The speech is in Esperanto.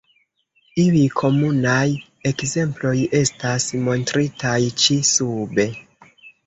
Iuj komunaj ekzemploj estas montritaj ĉi sube.